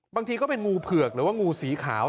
ก็เป็นงูเผือกหรือว่างูสีขาว